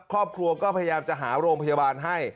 ครอบครัวก็พยายามจะหาโรงพยาบาลให้